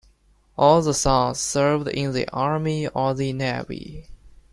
All the sons served in the army or the navy.